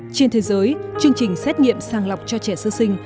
trên thế giới chương trình xét nghiệm sàng lọc cho trẻ sơ sinh